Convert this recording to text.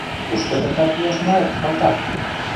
«Кушто эртак йӱаш муат, калтак?